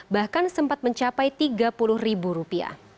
bahkan sempat mencapai rp tiga puluh